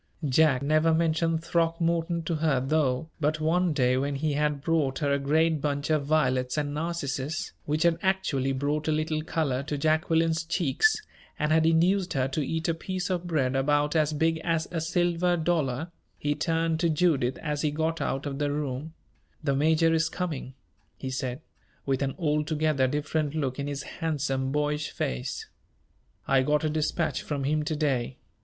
Jack never mentioned Throckmorton to her, though; but one day, when he had brought her a great bunch of violets and narcissus, which had actually brought a little color to Jacqueline's cheeks, and had induced her to eat a piece of bread about as big as a silver dollar, he turned to Judith as he got out of the room: "The major is coming," he said, with an altogether different look in his handsome, boyish face. "I got a dispatch from him to day.